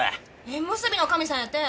縁結びの神様やて。